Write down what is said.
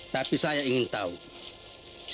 siapa saja yang akan mengawal rara murni